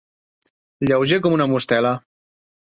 Lleuger com una mostela.